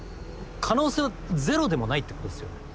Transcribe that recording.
可能性はゼロでもないってことですよね？